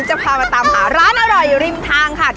จะพามาตามหาร้านอร่อยริมทางค่ะ